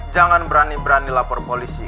jangan berani berani lapor polisi